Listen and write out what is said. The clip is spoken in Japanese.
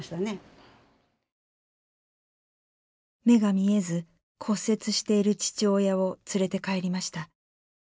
目が見えず骨折している父親を連れて帰りました。